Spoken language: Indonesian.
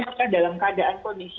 kita dalam keadaan kondisi